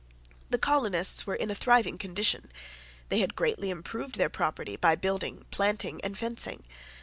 The colonists were in a thriving condition. They had greatly improved their property by building, planting, and fencing.